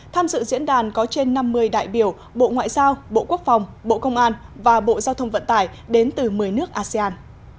tham dự diễn đàn có trên năm mươi đại biểu bộ ngoại giao bộ quốc phòng bộ công an và bộ giao thông vận tải đến từ một mươi nước asean